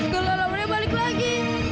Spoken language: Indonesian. kalau laurnya balik lagi